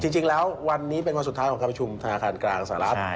จริงแล้ววันนี้เป็นวันสุดท้ายของการประชุมธนาคารกลางสหรัฐ